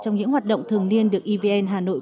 trong những hoạt động thường niên được evn hà nội